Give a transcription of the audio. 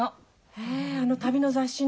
えあの旅の雑誌の？